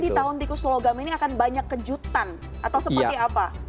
di tahun tikus logam ini akan banyak kejutan atau seperti apa